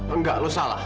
enggak lu salah